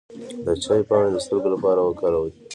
د چای پاڼې د سترګو لپاره وکاروئ